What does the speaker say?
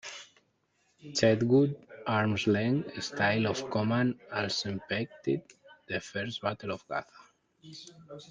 Chetwode's "arms length" style of command also impacted the First Battle of Gaza.